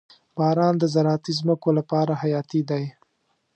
• باران د زراعتي ځمکو لپاره حیاتي دی.